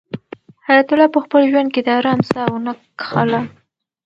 حیات الله په خپل ژوند کې د آرام ساه ونه کښله.